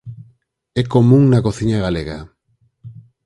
É común na cociña galega.